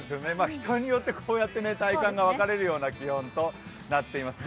人によって、こうやって体感が分かれるような気温となっています。